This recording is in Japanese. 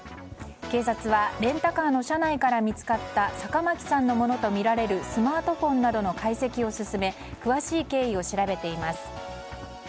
警察はレンタカーの車内から見つかった坂巻さんのものとみられるスマートフォンなどの解析を進め詳しい経緯を調べています。